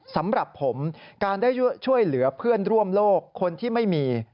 สำหรับผมการได้ช่วยเหลือเพื่อนร่วมโลกคนที่ไม่มี